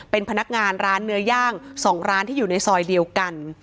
เป็นพนักงานร้านเนื้อย่าง๒ร้านที่อยู่ในซอยเดียวกัน